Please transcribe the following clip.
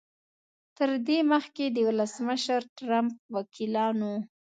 تر دې مخکې د ولسمشر ټرمپ وکیلانو